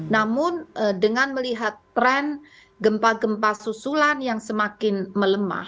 namun dengan melihat tren gempa gempa susulan yang semakin melemah